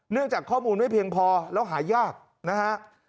จากข้อมูลไม่เพียงพอแล้วหายากนะฮะ